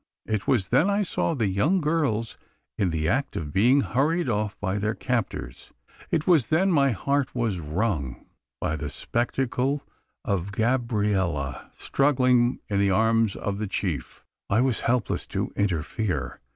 It was then I saw the young girls in the act of being hurried off by their captors. It was then my heart was wrung, by the spectacle of Gabriella struggling in the arms of the chief. I was helpless to interfere.